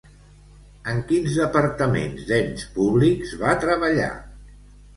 En quins departaments d'ens públics va treballar?